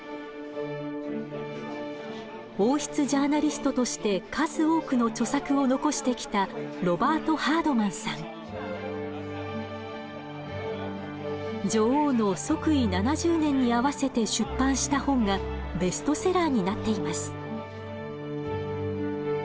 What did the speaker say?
王室ジャーナリストとして数多くの著作を残してきた女王の即位７０年に合わせて出版した本がベストセラーになっています。